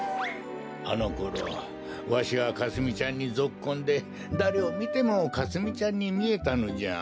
あのころわしはかすみちゃんにぞっこんでだれをみてもかすみちゃんにみえたのじゃ。